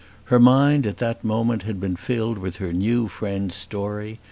Her mind at that moment had been filled with her new friend's story.